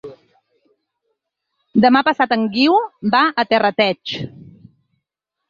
Demà passat en Guiu va a Terrateig.